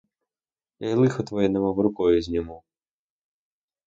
Я й лихо твоє немов рукою зніму.